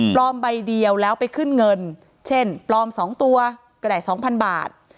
ใบเดียวแล้วไปขึ้นเงินเช่นปลอม๒ตัวก็ได้๒๐๐บาท